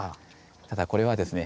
ただこれはですね